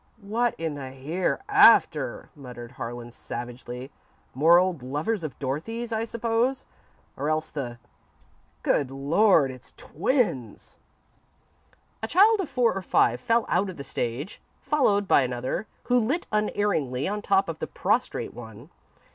"What in the hereafter," muttered Harlan, savagely. "More old lovers of Dorothy's, I suppose, or else the Good Lord, it's twins!" A child of four or five fell out of the stage, followed by another, who lit unerringly on top of the prostrate one.